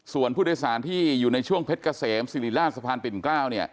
ส่วนผู้โดยสารที่อยู่ในช่วงเพชรเกษมสิริราชสะพานปิ่นเกล้า